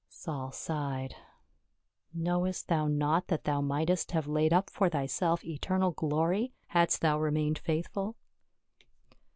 Saul sighed. " Knowest thou not that thou mightest have laid up for thyself eternal glory, hadst thou re mained faithful